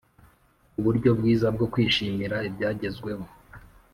Uburyo bwiza bwo kwishimira ibyagezweho